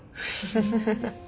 フフフッ。